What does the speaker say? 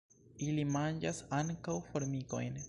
Ili manĝas ankaŭ formikojn.